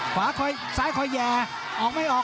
ภูตวรรณสิทธิ์บุญมีน้ำเงิน